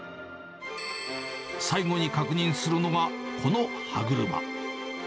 最後に確認するのが、この歯車。